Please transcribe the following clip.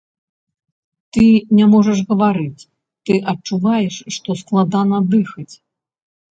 Ты не можаш гаварыць, ты адчуваеш, што складана дыхаць.